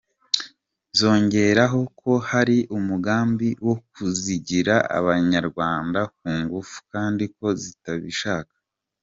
Zongeragaho ko hari umugambi wo kuzigira abanyarwanda ku ngufu kandi ko zitabishaka.